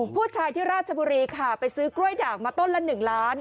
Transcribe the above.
ผู้ชายที่ราชบุรีค่ะไปซื้อกล้วยด่างมาต้นละ๑ล้าน